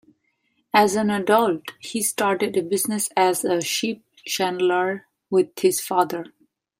As an adult, he started a business as a ship chandler with his father.